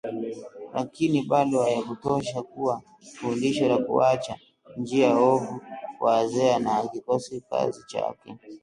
lakini bado hayakutosha kuwa fundisho la kuacha njia ovu kwa Azea na kikosi kazi chake